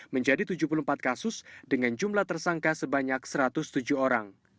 menjadi tujuh puluh empat kasus dengan jumlah tersangka sebanyak satu ratus tujuh orang